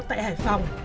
tại hải phòng